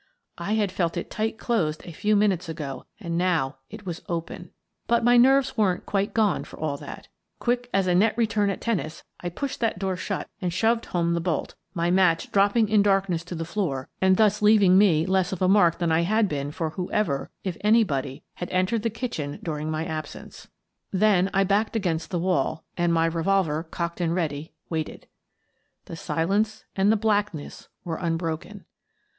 I had felt it tight closed a few minutes ago and now it was open. But my nerves weren't quite gone, for all that. Quick as a net return at tennis, I pushed that door shut and shoved home the bolt, my match dropping in darkness to the floor and thus leaving me less of a mark than I had been for whoever — if any body — had entered the kitchen during my absence. UHH In the Cellar 65 ^————————— Then I backed against the wall and, my revolver cocked and ready, waited. The silence and the blackness were unbroken.